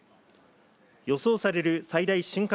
予想される最大瞬間